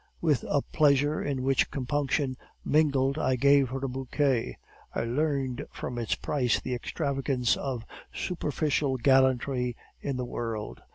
With a pleasure in which compunction mingled, I gave her a bouquet. I learned from its price the extravagance of superficial gallantry in the world.